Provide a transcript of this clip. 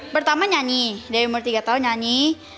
pertama nyanyi dari umur tiga tahun nyanyi